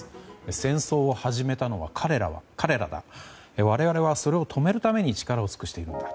戦争を始めたのは彼らだ我々は、それを止めるために力を尽くしているんだ。